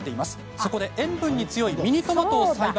そこで塩分に強いミニトマトを栽培。